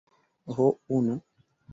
Ho... unu.